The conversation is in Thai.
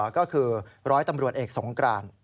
ก็คือร้อยตำรวจเอกสงกราน